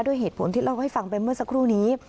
เหตุผลที่เล่าให้ฟังไปเมื่อสักครู่นี้